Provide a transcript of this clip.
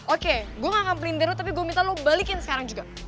oke gue gak akan pelintir lo tapi gue minta lo balikin sekarang juga